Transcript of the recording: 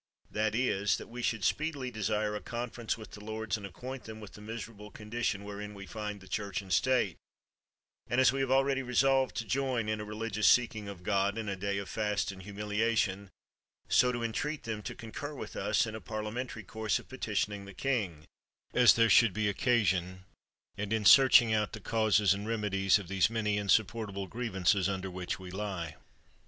That is, that we should speedily desire a conference with the lords, and acquaint them with the miserable condition wherein we find the Church and State; and as we have already resolved to join in a religious seeking of God, in a day of fast and humiliation, 66 PYM so to entreat them to concur with us in a par liamentary course of petitioning the king, as there should be occasion, and in searching out the causes and remedies of these many insup portable grievances under which we lie.